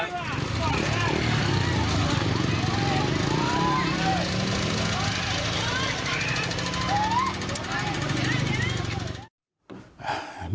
เยี่ยม